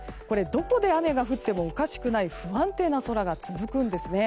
どこで雨が降ってもおかしくない不安定な空が続くんですね。